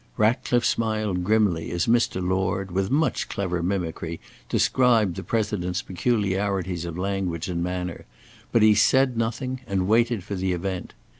Ratcliffe smiled grimly as Mr. Lord, with much clever mimicry, described the President's peculiarities of language and manner, but he said nothing and waited for the event.